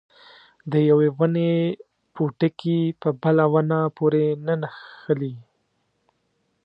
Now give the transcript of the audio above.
د یوې ونې پوټکي په بله ونه پورې نه نښلي.